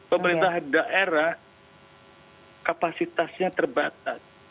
pemerintah daerah kapasitasnya terbatas